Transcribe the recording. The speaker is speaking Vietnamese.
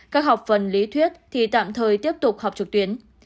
các học phần lý thuyết thì tạm thời tiếp tục học trực tuyến